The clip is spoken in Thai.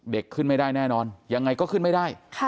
ขึ้นไม่ได้แน่นอนยังไงก็ขึ้นไม่ได้